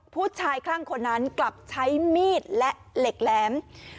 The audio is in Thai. ผู้ชายข้างคนนั้นกลับใช้มีดและเหล็กแหลม